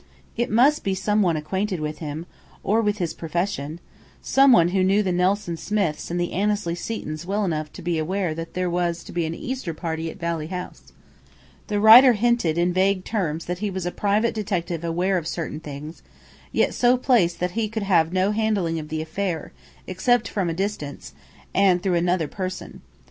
It must be someone acquainted with him, or with his profession; someone who knew the Nelson Smiths and the Annesley Setons well enough to be aware that there was to be an Easter party at Valley House. The writer hinted in vague terms that he was a private detective aware of certain things, yet so placed that he could have no handling of the affair, except from a distance, and through another person.